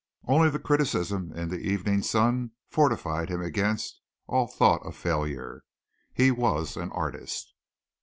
Only the criticism in the Evening Sun fortified him against all thought of failure. _He was an artist.